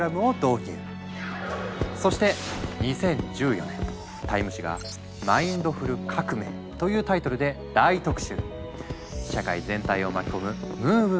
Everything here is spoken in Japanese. そして２０１４年「ＴＩＭＥ」誌が「マインドフル革命」というタイトルで大特集！